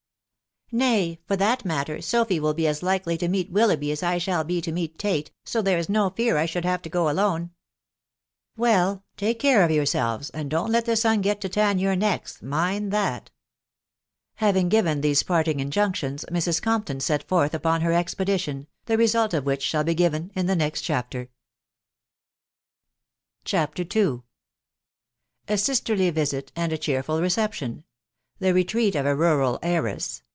4< Nay, for that matter, Sophy will be as likely to meet VFilloughby as I shall be to meet Tate, so there is no fear J should have to go alone/' " Well 1 .•.. take care of yourselves, and don't let the sun get to tan your necks, mind that. Haying given these parting injunctions^ Mrs. Corapton set forth upon her expedition, the result of which shall be given in the next chapter. CHAPTER II. A SISTERLY VISEY, AND A CHEERFUL RECEPTION. — THE RETREAT Of A RURAL HXIRESS.